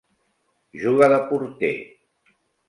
Juga de porter.